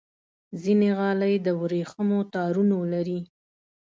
ځینې غالۍ د ورېښمو تارونو لري.